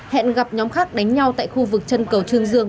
hẹn gặp nhóm khác đánh nhau tại khu vực chân cầu trương dương